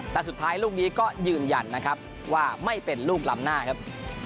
แต่สุดท้ายลูกนี้ก็ยืนยันนะครับว่าไม่เป็นลูกล้ำหน้าครับ